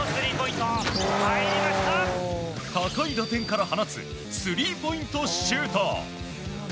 高い打点から放つスリーポイントシュート。